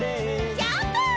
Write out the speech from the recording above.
ジャンプ！